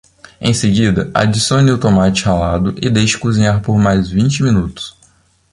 Em seguida, adicione o tomate ralado e deixe cozinhar por mais vinte minutos.